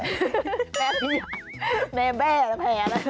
แบบอย่างแบ่แบ่แบ่แหละ